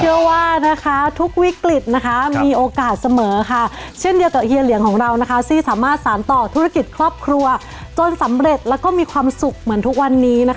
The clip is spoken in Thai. ว่าทุกวิกฤตมีโอกาสเสมอค่ะเช่นเดียวกับเฮียเหลียงของเราที่สามารถสารต่อธุรกิจครอบครัวจนสำเร็จแล้วก็มีความสุขเหมือนทุกวันนี้